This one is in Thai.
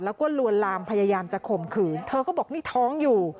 แล้วก็ลวนลามพยายามจะข่มขืนเธอก็บอกนี่ท้องอยู่